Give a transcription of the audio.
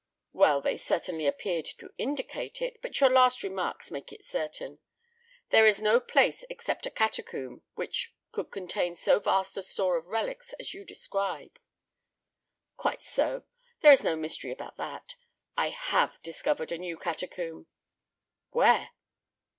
"Well, they certainly appeared to indicate it, but your last remarks make it certain. There is no place except a catacomb which could contain so vast a store of relics as you describe." "Quite so. There is no mystery about that. I HAVE discovered a new catacomb." "Where?"